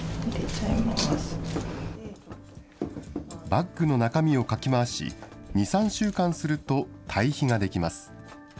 バッグの中身をかき回し、２、３週間すると、堆肥が出来ます。